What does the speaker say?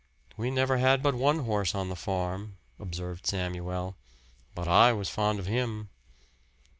"We never had but one horse on the farm," observed Samuel. "But I was fond of him."